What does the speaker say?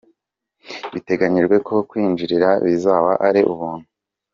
Biteganyijwe ko kwinjira bizaba ari ubuntu.